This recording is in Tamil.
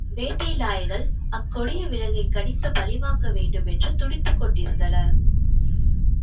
வேட்டைநாய்கள் அக்கொடிய விலங்கைக் கடித்துப் பழி வாங்க வேண்டுமென்று துடித்துக்கொண்டிருந்தன.